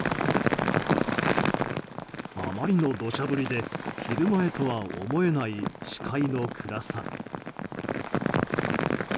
あまりの土砂降りで昼前とは思えない視界の暗さ。